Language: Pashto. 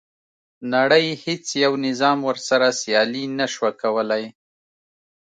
نړۍ هیڅ یو نظام ورسره سیالي نه شوه کولای.